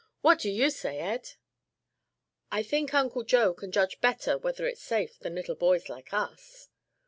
What do you say, Ed?" "I think Uncle Joe can judge better whether it's safe than little boys like us."